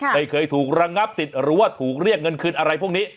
ไม่เคยถูกระงับสิทธิ์หรือว่าถูกเรียกเงินคืนอะไรพวกนี้